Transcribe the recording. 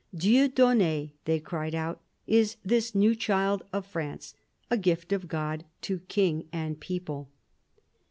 Dieu donne, they cried out, is this new child of France — a gift of God to king and people.